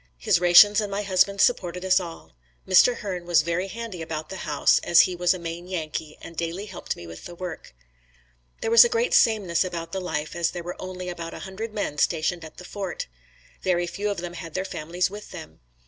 His rations and my husband's supported us all. Mr. Hern was very handy about the house, as he was a Maine Yankee and daily helped me with the work. There was a great sameness about the life as there were only about a hundred men stationed at the fort. Very few of them had their families with them.